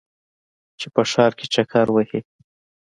چې په ښار کې چکر وهې.